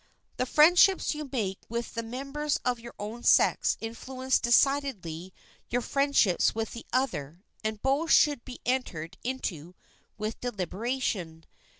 The friendships you make with the members of your own sex influence decidedly your friendships with the other and both should be entered into with deliberation.